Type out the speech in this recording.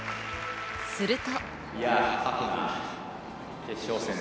すると。